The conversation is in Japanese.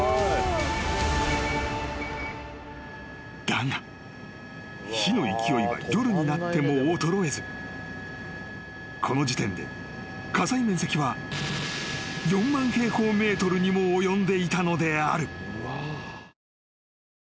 ［だが火の勢いは夜になっても衰えずこの時点で火災面積は４万平方ｍにも及んでいたのである］